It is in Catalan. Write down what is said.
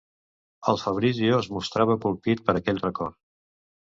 El Fabrizio es mostrava colpit per aquell record.